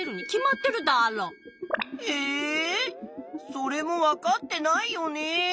それもわかってないよね。